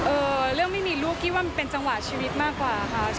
เรื่องไม่มีลูกคิดว่ามันเป็นจังหวะชีวิตมากกว่าค่ะ